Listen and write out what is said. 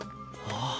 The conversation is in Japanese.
ああ。